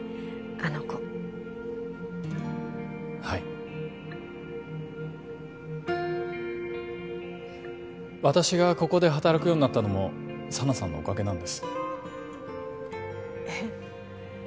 あの子はい私がここで働くようになったのも佐奈さんのおかげなんですえっ？